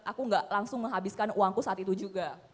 aku gak langsung menghabiskan uangku saat itu juga